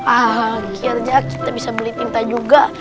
akhirnya kita bisa beli tinta juga